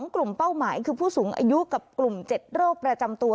กลุ่มเป้าหมายคือผู้สูงอายุกับกลุ่ม๗โรคประจำตัว